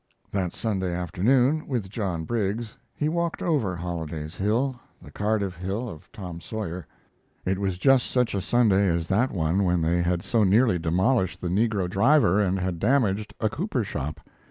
That Sunday afternoon, with John Briggs, he walked over Holliday's Hill the Cardiff Hill of Tom Sawyer. It was jest such a Sunday as that one when they had so nearly demolished the negro driver and had damaged a cooper shop.